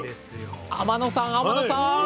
天野さん天野さん！